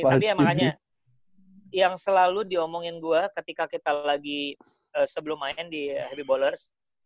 tapi ya makanya yang selalu diomongin gue ketika kita lagi sebelum main di habiblers